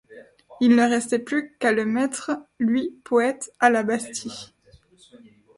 Il ne restait plus qu’à le mettre, lui poète, à la Bastille.